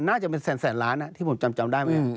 น่าจะเป็นแสนล้านที่ผมจำได้ไหม